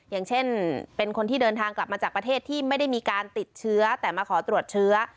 อย่างเช่นเป็นคนที่เดินทางกลับมาจากประเทศที่ไม่ได้มีการติดเชื้อแต่มาขอตรวจเชื้อ